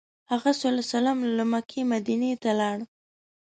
هغه ﷺ له مکې مدینې ته لاړ.